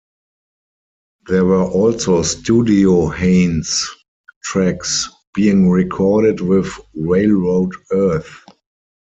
There were also studio Haynes tracks being recorded with Railroad Earth.